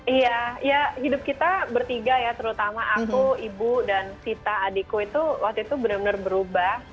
iya ya hidup kita bertiga ya terutama aku ibu dan sita adikku itu waktu itu benar benar berubah